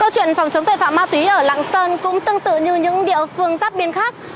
câu chuyện phòng chống tội phạm ma túy ở lạng sơn cũng tương tự như những địa phương giáp biên khác